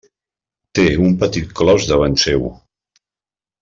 Té un petit clos davant seu.